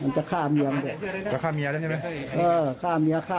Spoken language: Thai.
มันจะฆ่าเมียแล้วฆ่าเมียได้ไหมเออฆ่าเมียฆ่าพ่อตาเลย